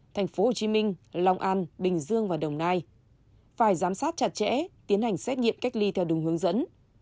tp hcm long an bình dương và đồng nai phải giám sát chặt chẽ tiến hành xét nghiệm cách ly theo đúng hướng dẫn